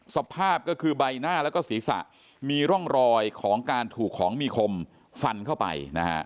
สภาพก็คือใบหน้าแล้วก็ศีรษะมีร่องรอยของการถูกของมีคมฟันเข้าไปนะฮะ